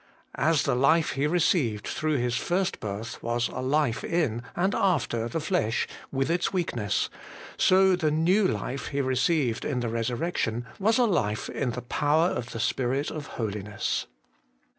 As the life He received through His first birth was a life in and after the flesh with its weakness, so the new life He received in the resurrection was a life in the power of the Spirit of holiness.